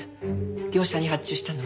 業者に発注したのが。